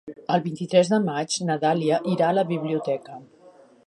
El vint-i-tres de maig na Dàlia irà a la biblioteca.